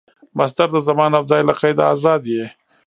مصدر د زمان او ځای له قیده آزاد يي.